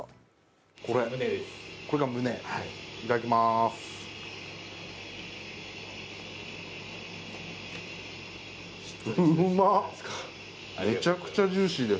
これ、むね、いただきまーす。